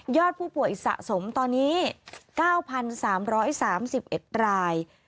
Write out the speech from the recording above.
ผู้ป่วยสะสมตอนนี้๙๓๓๑ราย